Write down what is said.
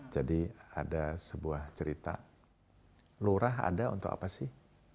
ada sebuah cerita lurah ada untuk apa sih